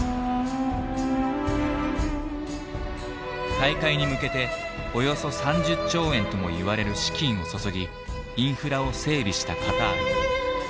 大会に向けておよそ３０兆円ともいわれる資金を注ぎインフラを整備したカタール。